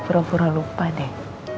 pura pura lupa deh